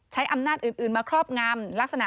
ใช้อำนาจอื่นมาครอบงำ